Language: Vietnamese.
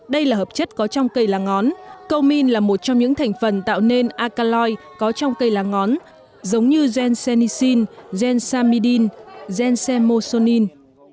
đây là hợp chất có trong cây lá ngón cầu min là một trong những thành phần tạo nên alkaloid có trong cây lá ngón giống như gensenicin gensamidin gensamosonin